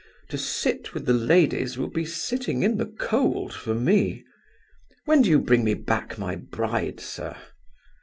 To sit with the ladies will be sitting in the cold for me. When do you bring me back my bride, sir?"